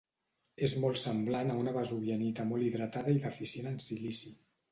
És molt semblant a una vesuvianita molt hidratada i deficient en silici.